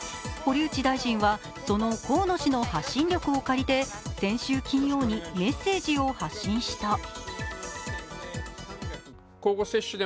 堀内大臣は、その河野氏の発信力を借りて先週金曜にメッセージを発信した。